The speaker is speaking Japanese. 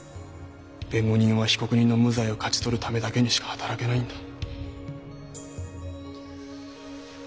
弁護人は被告人の無罪を勝ち取るためだけにしか働けないんだ。